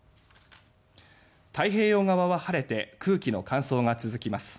太平洋側は晴れて空気の乾燥が続きます。